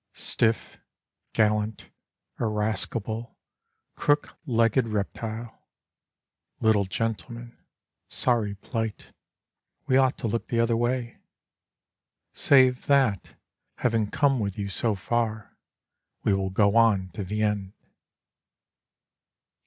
Stiff, gallant, irascible, crook legged reptile, Little gentleman, Sorry plight, We ought to look the other way. Save that, having come with you so far, We will go on to the end.